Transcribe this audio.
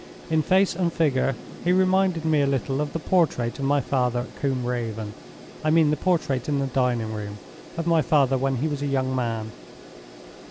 In face and figure, he reminded me a little of the portrait of my father at Combe Raven—I mean the portrait in the dining room, of my father when he was a young man.